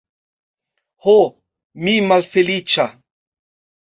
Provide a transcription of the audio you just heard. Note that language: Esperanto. Ho, mi malfeliĉa!